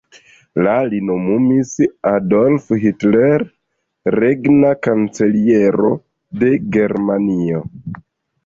La li nomumis Adolf Hitler regna kanceliero de Germanio.